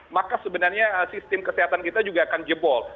maka sebenarnya sistem kesehatan kita juga akan jebol